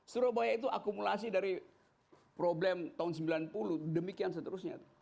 surabaya itu akumulasi dari problem tahun sembilan puluh demikian seterusnya